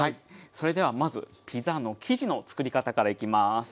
それではまずピザの生地のつくり方からいきます。